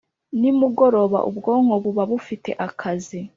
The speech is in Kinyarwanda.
nimugoroba ubwonko buba bufite akazi